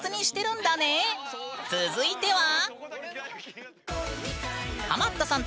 続いては。